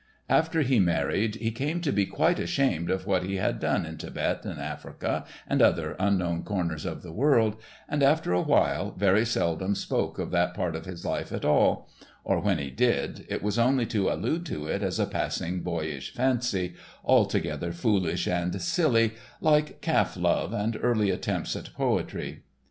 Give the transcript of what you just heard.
After he married, he came to be quite ashamed of what he had done in Thibet and Africa and other unknown corners of the earth, and, after a while, very seldom spoke of that part of his life at all; or, when he did, it was only to allude to it as a passing boyish fancy, altogether foolish and silly, like calf love and early attempts at poetry.